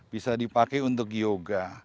bisa dipakai untuk yoga